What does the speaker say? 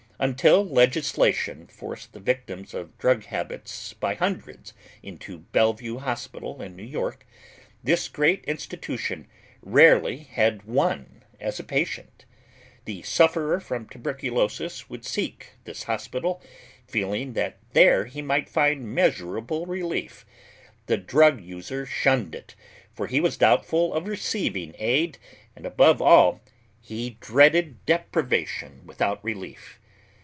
Until legislation forced the victims of drug habits by hundreds into Bellevue Hospital in New York, this great institution rarely had one as a patient. The sufferer from tuberculosis would seek this hospital, feeling that there he might find measurable relief; the drug user shunned it, for he was doubtful of receiving aid, and above all things he dreaded deprivation without relief.